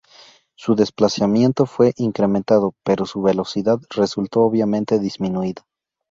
Su desplazamiento fue incrementado pero su velocidad resultó obviamente disminuida.